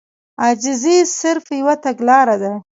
عاجزي صرف يوه تګلاره ده.